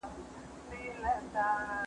دې جوارۍ کي يې دوه زړونه په يوه ايښي دي